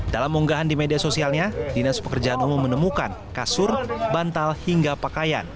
dalam unggahan di media sosialnya dinas pekerjaan umum menemukan kasur bantal hingga pakaian